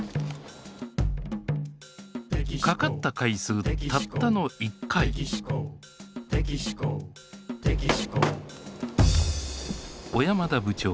かかった回数たったの１回小山田部長